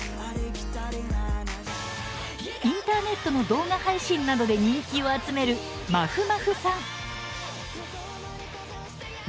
インターネットの動画配信などで人気を集める、まふまふさん。